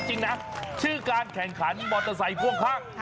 จริงนะชื่อการแข่งขันมอเตอร์ไซค์พ่วงข้าง